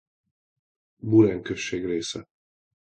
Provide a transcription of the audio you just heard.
Buren község része.